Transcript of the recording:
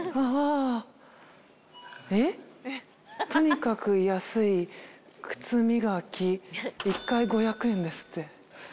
「とにかく安いくつみがき１回５００円」ですって。